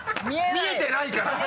見えないから！